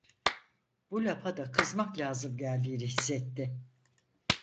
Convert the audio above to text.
Bu lafa da kızmak lazım geldiğini hissetti.